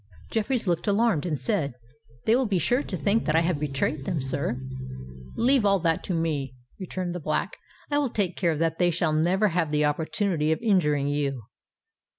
Jeffreys looked alarmed and said, "They will be sure to think that I have betrayed them, sir." "Leave all that to me," returned the Black. "I will take care that they shall never have the opportunity of injuring you.